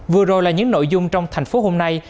vừa rồi là những nội dung trong thành phố hôm nay